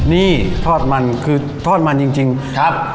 นี่ทอดมันคือทอดมันจริงครับ